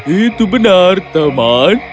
itu benar teman